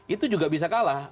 itu juga bisa kalah